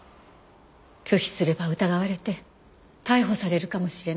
拒否すれば疑われて逮捕されるかもしれない。